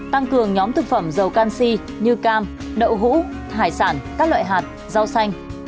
tăng cường nhóm thực phẩm dầu canxi như cam đậu hữu hải sản các loại hạt rau xanh